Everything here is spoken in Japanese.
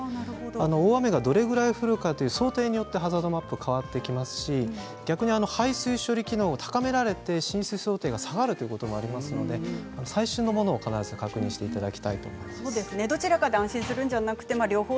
大雨がどのくらい降るかによって想定によってハザードマップは変わってきますし逆に排水処理機能を高められて浸水想定が下がるということもありますので最新のものを必ず確認していただきたいと思います。